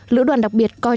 lữ đoàn đặc biệt coi chung